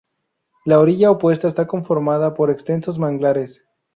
La orilla opuesta está conformada por extensos manglares.